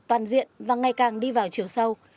toàn diện và ngày càng đi vào chiều sâu